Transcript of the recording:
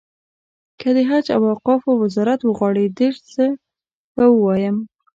که د حج او اوقافو وزارت وغواړي ډېر څه به ووایم.